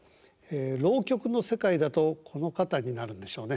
浪曲の世界だとこの方になるんでしょうね。